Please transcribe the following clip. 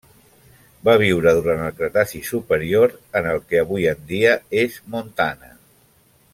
Va viure durant el Cretaci superior en el que avui en dia és Montana.